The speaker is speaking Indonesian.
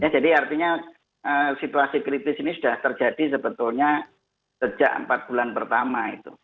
jadi artinya situasi kritis ini sudah terjadi sebetulnya sejak empat bulan pertama itu